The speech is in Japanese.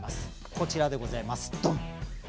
こちらでございます。